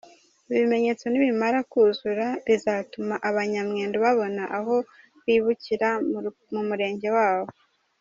Ibi bimenyetso nibimara kuzura bizatuma Abanya Mwendo babona aho bibukira mu Murenge wabo.